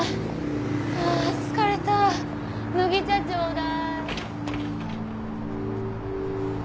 あー疲れた麦茶ちょうだい。